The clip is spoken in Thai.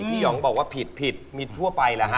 พี่หยองบอกว่าผิดมีทั่วไปนะฮะ